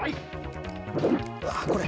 うわあこれ。